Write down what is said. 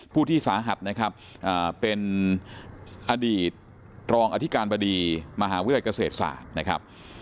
ผู้ที่สาหัสนะครับเป็นอดีตรองอธิการบดีมหาวิทยากเศรษฐ์นะครับ